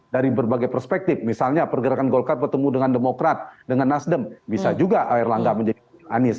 dari berbagai perspektif misalnya pergerakan golkar bertemu dengan demokrat dengan nasdem bisa juga erlangga menjadi anies